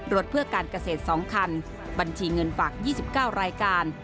รถเพื่อการเกษตร๒คันบัญชีเงินฝาก๒๙รายการ